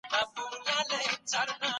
ولسمشر دا وضعیت خبرداری وباله.